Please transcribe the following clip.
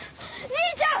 兄ちゃん！